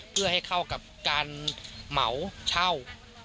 เพื่อให้เข้ากับการเหมาเช่า